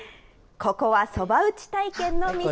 ここはそば打ち体験の店。